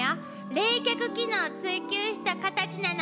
冷却機能を追求したカタチなの。